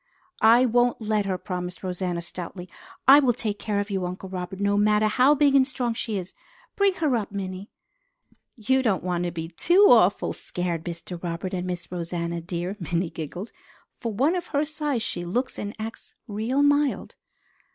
"I won't let her," promised Rosanna stoutly. "I will take care of you, Uncle Robert, no matter how big and strong she is. Bring her up, Minnie." "You don't want to be too awful scared, Mr. Robert and Miss Rosanna dear," Minnie giggled. "For one of her size, she looks and acts real mild."